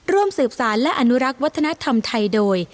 ร่วมสืบสารและอนุรักษ์วัฒนธรรมไทยโดย